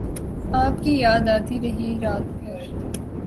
آپ کی یاد آتی رہی رات بھر